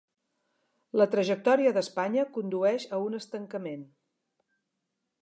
La trajectòria d'Espanya condueix a un estancament.